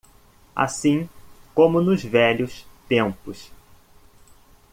Assim como nos velhos tempos.